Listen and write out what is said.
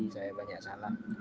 saya banyak salah